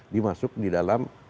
dimasuk di dalam